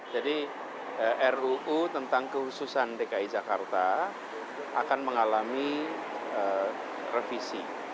jadi ruu tentang kehususan dki jakarta akan mengalami revisi